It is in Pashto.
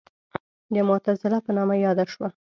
د معتزله په نامه یاده شوه.